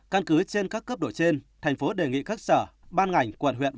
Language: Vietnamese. căn cứ trên các cấp độ trên tp hcm đề nghị các sở ban ngành quận huyện